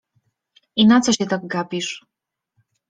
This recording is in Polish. I na co się tak gapisz?